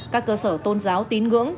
các cơ sở tôn giáo tín ngưỡng